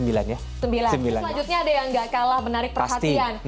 selanjutnya ada yang gak kalah menarik perhatian